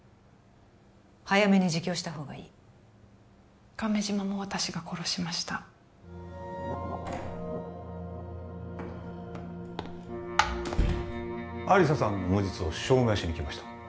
早めに自供したほうがいい亀島も私が殺しました亜理紗さんの無実を証明しに来ました